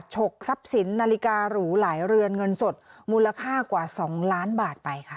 ฉกทรัพย์สินนาฬิการูหลายเรือนเงินสดมูลค่ากว่า๒ล้านบาทไปค่ะ